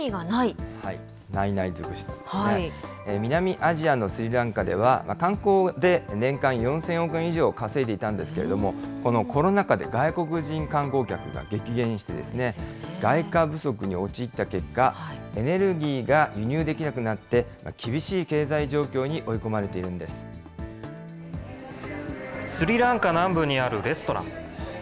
ないない尽くしですが、南アジアのスリランカでは、観光で年間４０００億円以上を稼いでいたんですけれども、このコロナ禍で外国人観光客が激減して、外貨不足に陥った結果、エネルギーが輸入できなくなって、厳しい経済状況に追い込まれていスリランカ南部にあるレストラン。